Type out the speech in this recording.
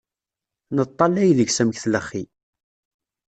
Neṭṭallay deg-s amek tlexxi.